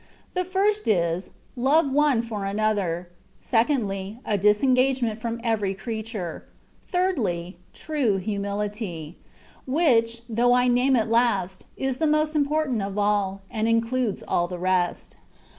The first is, love one for another; secondly, a disengagement from every creature; thirdly, true humility; which, though I name it last, is the most im portant of all, and includes all the rest.